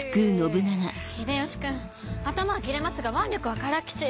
秀吉君頭は切れますが腕力はからっきし。